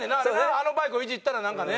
あのバイクをいじったらなんかね。